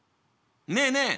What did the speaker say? ねえねえ